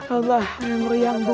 allah meriang bu